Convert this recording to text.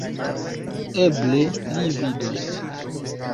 Eble li vidos...